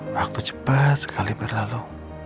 waktu cepat sekali berlalu